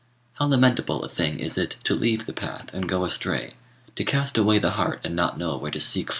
How lamentable a thing is it to leave the path and go astray, to cast away the heart and not know where to seek for it!"